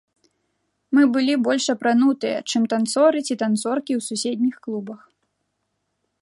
Мы былі больш апранутыя, чым танцоры ці танцоркі ў суседніх клубах.